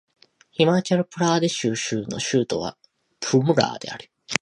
ヒマーチャル・プラデーシュ州の州都はシムラーである